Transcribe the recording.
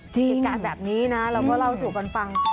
จริงติดการณ์แบบนี้นะเราก็เล่าสู่ก่อนฟัง